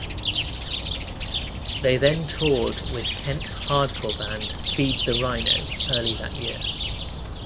They then toured with Kent hardcore band Feed the Rhino early that year.